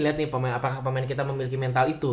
lihat nih pemain apakah pemain kita memiliki mental itu